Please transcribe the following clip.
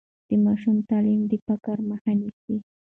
د ماشوم تعلیم د فقر مخه نیسي.